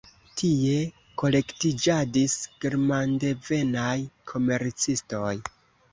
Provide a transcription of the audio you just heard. Tie kolektiĝadis germandevenaj komercistoj.